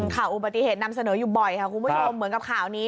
ข่าวอุบัติเหตุนำเสนออยู่บ่อยค่ะคุณผู้ชมเหมือนกับข่าวนี้